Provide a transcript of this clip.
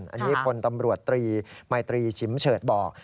อันนี้พลตำรวจตรีมัยตรีชิมเฉิดบอก